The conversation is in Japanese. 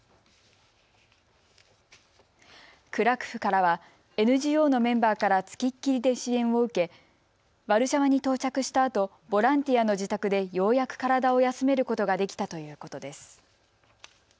クラクフからはＮＧＯのメンバーからつきっきりで支援を受けワルシャワに到着したあとボランティアの自宅でようやく体を休めることができたということです。